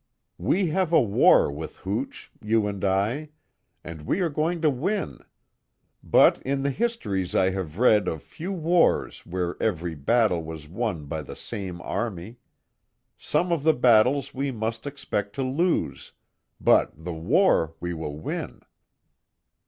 We have a war with hooch you and I. And we are going to win. But, in the histories I have read of few wars where every battle was won by the same army. Some of the battles we must expect to lose but the war we will win."